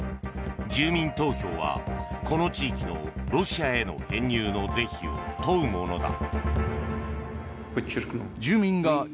住民投票はこの地域のロシアへの編入の是非を問うものだ。